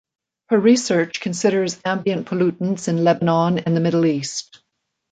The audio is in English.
Her research considers ambient pollutants in Lebanon and the Middle East.